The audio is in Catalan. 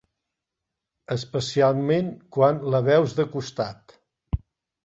Especialment quan la veus de costat.